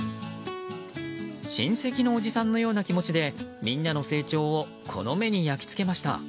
親戚のおじさんのような気持ちでみんなの成長をこの目に焼き付けました。